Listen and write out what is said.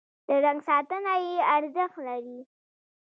د رنګ ساتنه یې ارزښت لري.